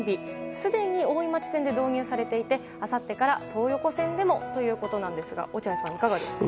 すでに大井町線で導入されていてあさってから東横線でもということなんですが落合さん、いかがですか？